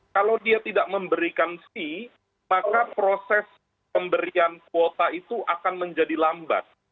kalau dia tidak memberikan fee maka proses pemberian kuota itu akan menjadi lambat